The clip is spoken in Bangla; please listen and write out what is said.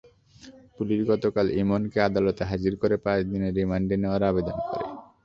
পুলিশ গতকাল ইমনকে আদালতে হাজির করে পাঁচ দিনের রিমান্ডে নেওয়ার আবেদন করে।